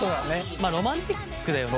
まあロマンチックだよね。